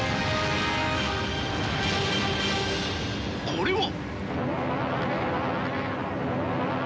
これは。